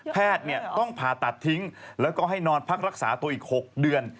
แพทย์ต้องผ่าตัดทิ้งแล้วก็ให้นอนพักรักษาตัวอีก๖เดือน